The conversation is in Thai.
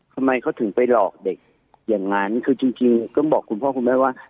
ทำไมเขาถึงไปหลอกเด็กอย่างนั้นคือจริงต้องบอกคุณพ่อคุณแม่ว่า